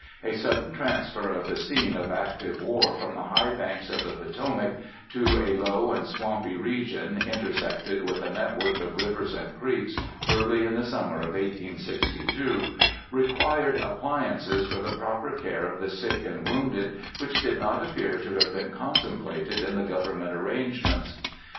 A sudden transfer of the scene of active war from the high banks of the Potomac to a low and swampy region, intersected with a net work of rivers and creeks, early in the summer of 1862, required appliances for the proper care of the sick and wounded which did not appear to have been contemplated in the government arrangements.